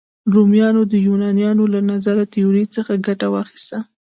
رومیانو د یونانیانو له نظري تیوري څخه ګټه واخیسته.